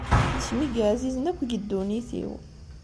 D kemm i yeɛzizen akk deg ddunit-iw.